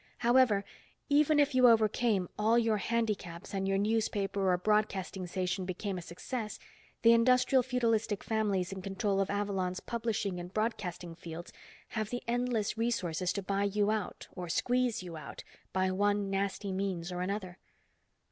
However, even if you overcame all your handicaps and your newspaper or broadcasting station became a success, the industrial feudalistic families in control of Avalon's publishing and broadcasting fields have the endless resources to buy you out, or squeeze you out, by one nasty means or another."